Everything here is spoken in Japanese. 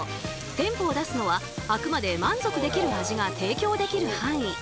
店舗を出すのはあくまで満足できる味が提供できる範囲。